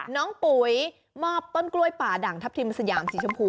ปุ๋ยมอบต้นกล้วยป่าดั่งทัพทิมสยามสีชมพู